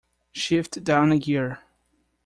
Shift down a gear.